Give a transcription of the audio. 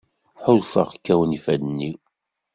Ḥulfaɣ kkawen ifadden-iw.